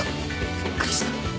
びっくりした。